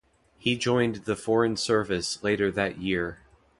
He joined the Foreign Service later that year.